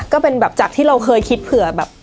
ก็เป็นแบบจากที่เราเคยคิดเผื่อแบบ